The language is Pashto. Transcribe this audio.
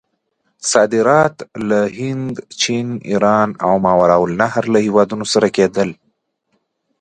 صادرات له هند، چین، ایران او ماورأ النهر له هیوادونو سره کېدل.